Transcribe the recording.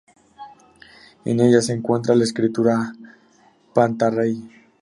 En ella se encuentra la escultura "Panta rei".